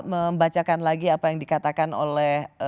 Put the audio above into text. membacakan lagi apa yang dikatakan oleh